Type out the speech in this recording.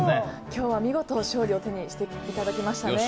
今日は見事勝利を手にしていただきましたね。